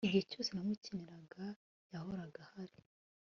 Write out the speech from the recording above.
igihe cyose namukeneraga, yahoraga ahari